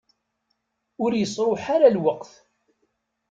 Ur yesruḥ ara lweqt.